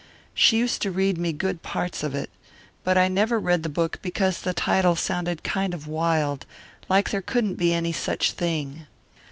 She used to read me good parts of it. But I never read the book because the title sounded kind of wild, like there couldn't be any such thing.